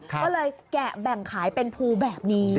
ก็เลยแกะแบ่งขายเป็นภูแบบนี้